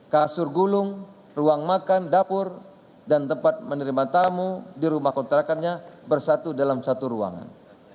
kasur gulung ruang makan dapur dan tempat menerima tamu di rumah kontrakannya bersatu dalam satu ruangan